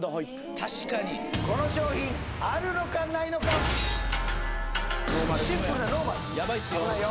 確かにこの商品あるのかないのかシンプルだノーマル危ないよ